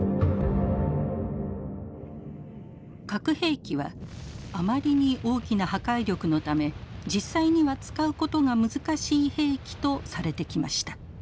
核兵器はあまりに大きな破壊力のため実際には使うことが難しい兵器とされてきました。